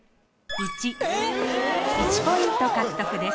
１ポイント獲得です。